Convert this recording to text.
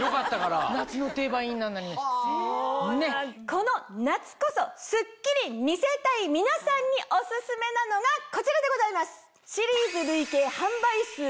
この夏こそスッキリ見せたい皆さんにオススメなのがこちらでございます。